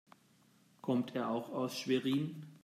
Kommt er auch aus Schwerin?